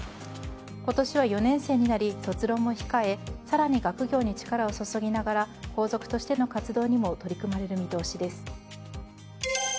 今年は４年生になり卒論も控え更に学業に力を注ぎながら皇族としての活動にも取り組まれる見通しです。